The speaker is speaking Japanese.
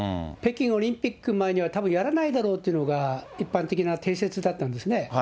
北京オリンピック前にはたぶんやらないだろうっていうのが、一般的な定説だったんですね。